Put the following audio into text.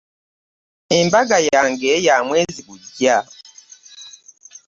Embaga yange ya mwezi gujja.